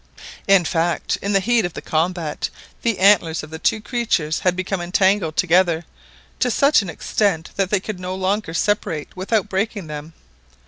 In fact, in the heat of the combat the antlers of the two creatures had become entangled together to such an extent that they could no longer separate without breaking them.